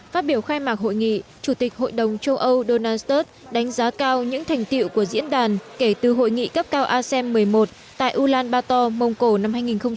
phát biểu khai mạc hội nghị chủ tịch hội đồng châu âu donald sturt đánh giá cao những thành tiệu của diễn đàn kể từ hội nghị cấp cao asem một mươi một tại ulaanbaator mông cổ năm hai nghìn một mươi tám